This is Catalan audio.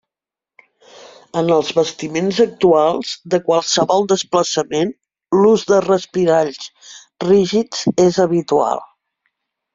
En els bastiments actuals, de qualsevol desplaçament, l’ús de respiralls rígids és habitual.